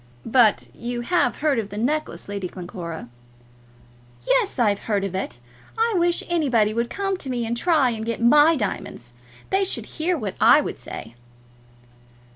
"But you have heard of the necklace, Lady Glencora?" "Yes, I've heard of it. I wish anybody would come to me and try and get my diamonds! They should hear what I would say."